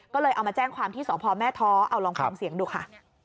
ก็เลยเอามาแจ้งความที่สพแม่ท้อเอาลองฟังเสียงดูค่ะ